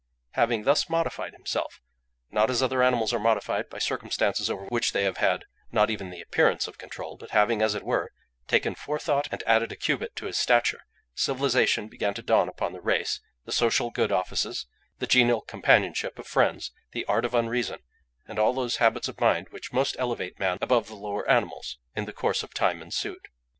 Having thus modified himself, not as other animals are modified, by circumstances over which they have had not even the appearance of control, but having, as it were, taken forethought and added a cubit to his stature, civilisation began to dawn upon the race, the social good offices, the genial companionship of friends, the art of unreason, and all those habits of mind which most elevate man above the lower animals, in the course of time ensued.